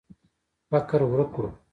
فقر ورک کړو.